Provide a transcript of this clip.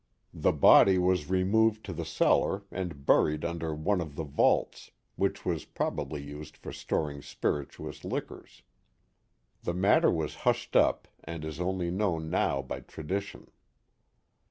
The body was removed to the cellar and buried under one of the vaults, which was probably used for storing spiritu ous liquors. The matter was hushed up and is only known now by tradition.